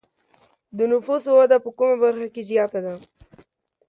د نفوسو وده په کومه برخه کې زیاته ده؟